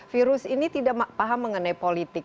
virus ini tidak paham mengenai politik